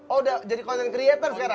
oh udah jadi content creator sekarang